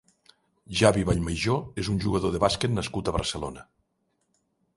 Xavi Vallmajó és un jugador de bàsquet nascut a Barcelona.